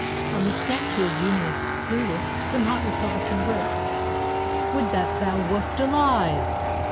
On the statue of Junius Brutus some hot repubhcan wrote, "Would that thou wast alive!"